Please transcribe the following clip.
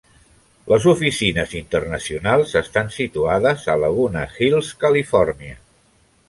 Les oficines internacionals estan situades a Laguna Hills, California.